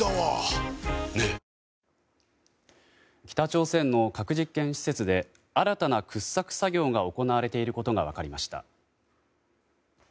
北朝鮮の核実験施設で新たな掘削作業が行われていることが分かりました。